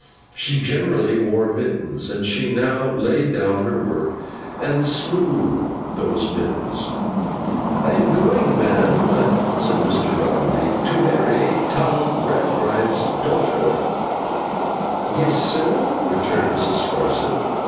She generally wore mittens, and she now laid down her work, and smoothed those mittens. 'I am going, ma'am,' said Bounderby, 'to marry Tom Gradgrind's daughter.' 'Yes, sir,' returned Mrs. Sparsit.